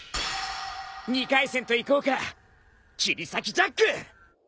２回戦といこうか切り裂きジャック！